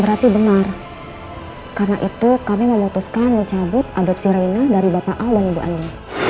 berarti benar karena itu kami memutuskan mencabut adopsi reina dari bapak a dan ibu ani